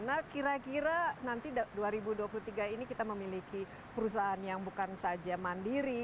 nah kira kira nanti dua ribu dua puluh tiga ini kita memiliki perusahaan yang bukan saja mandiri